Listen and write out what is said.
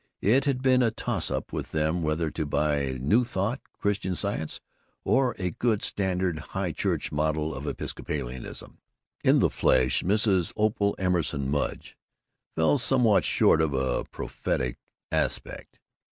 It had been a toss up with them whether to buy New Thought, Christian Science, or a good standard high church model of Episcopalianism. In the flesh, Mrs. Opal Emerson Mudge fell somewhat short of a prophetic aspect.